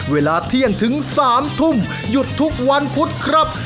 เวลาเที่ยงถึง๓ทุ่มหยุดทุกวันพุธครับ